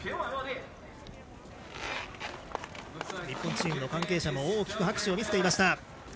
日本チームの関係者も大きく拍手を見せていました。